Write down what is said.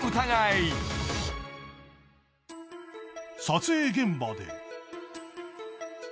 ［撮影現場で］